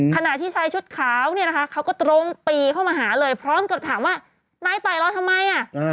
ขณะที่ชายชุดขาวเนี่ยนะคะเขาก็ตรงปีเข้ามาหาเลยพร้อมกับถามว่านายต่อยเราทำไมอ่ะ